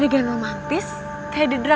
kamu akan menjadi cinta pertama